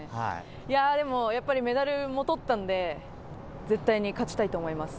いやー、でも、やっぱりメダルもとったんで、絶対に勝ちたいと思います。